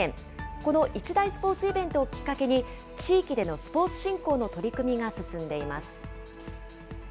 この一大スポーツイベントをきっかけに、地域でのスポーツ振興の取り組みが進んでいます。